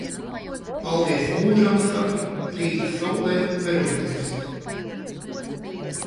Paldies mūžam saki, rīta saulē veroties.